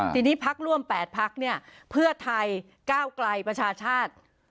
ทีนี้พักร่วม๘พักเนี่ยเพื่อไทยก้าวไกลประชาชาติ